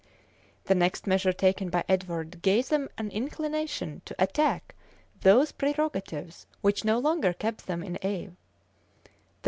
The next measure taken by Edward gave them an inclination to attack those prerogatives which no longer kept them in awe.